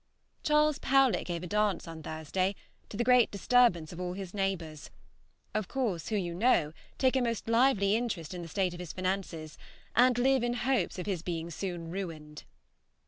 Charles Powlett gave a dance on Thursday, to the great disturbance of all his neighbors, of course, who, you know, take a most lively interest in the state of his finances, and live in hopes of his being soon ruined.